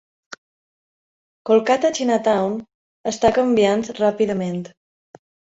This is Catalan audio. Kolkata Chinatown està canviant ràpidament.